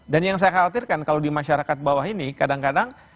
dan yang saya khawatirkan kalau di masyarakat bawah ini kadang kadang